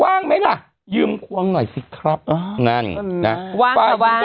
ว้างไหมล่ะยืมควงหน่อยสิครับ